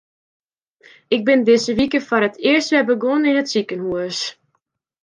Ik bin dizze wike foar it earst wer begûn yn it sikehús.